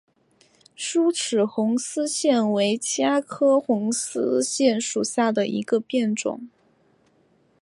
疏齿红丝线为茄科红丝线属下的一个变种。